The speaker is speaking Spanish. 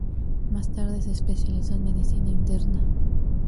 Más tarde se especializó en medicina interna.